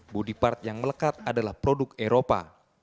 body part yang melekat adalah produk eropa